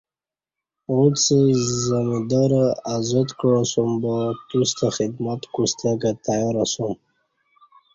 اُݩڅ زمیدارہ ازاد کعاسُوم با تُوستہ خدمت کوستہ کہ تیار اسُوم